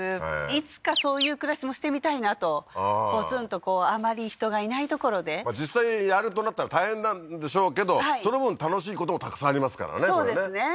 いつかそういう暮らしもしてみたいなとポツンとこうあまり人がいない所でまあ実際やるとなったら大変なんでしょうけどその分楽しいこともたくさんありますからねそうですね